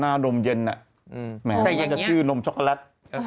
หน้านมเย็นแหม่งก็จะชื่อนมช็อกโกแลต